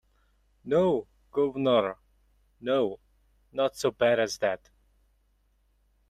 No, guv'nor, no; not so bad as that.